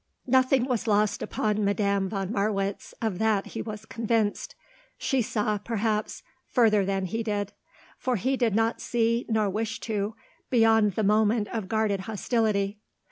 Nothing was lost upon Madame von Marwitz, of that he was convinced. She saw, perhaps, further than he did; for he did not see, nor wish to, beyond the moment of guarded hostility.